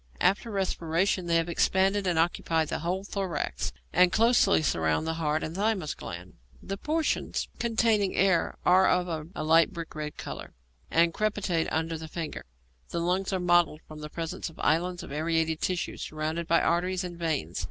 After respiration they expand and occupy the whole thorax, and closely surround the heart and thymus gland. The portions containing air are of a light brick red colour, and crepitate under the finger. The lungs are mottled from the presence of islands of aerated tissue, surrounded by arteries and veins.